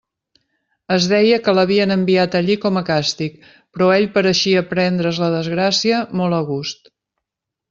Es deia que l'havien enviat allí com a càstig, però ell pareixia prendre's la desgràcia molt a gust.